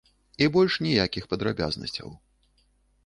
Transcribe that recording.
І больш ніякіх падрабязнасцяў.